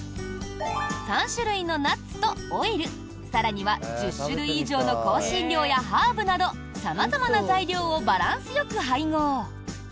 ３種類のナッツとオイル更には、１０種類以上の香辛料やハーブなど様々な材料をバランスよく配合。